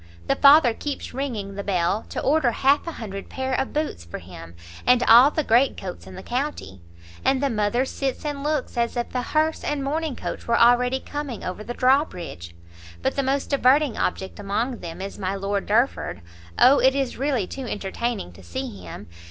The father keeps ringing the bell to order half a hundred pair of boots for him, and all the greatcoats in the county; and the mother sits and looks as if a hearse and mourning coach were already coming over the drawbridge; but the most diverting object among them is my Lord Derford! O, it is really too entertaining to see him!